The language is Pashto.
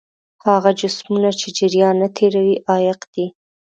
هغه جسمونه چې جریان نه تیروي عایق دي.